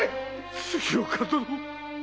杉岡殿。